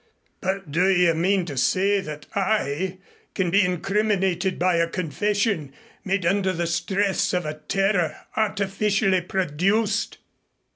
But do you mean to say that I can be incriminated by a confession made under the stress of a terror artificially produced?"